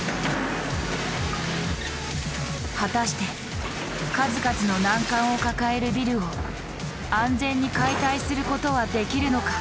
果たして数々の難関を抱えるビルを安全に解体することはできるのか？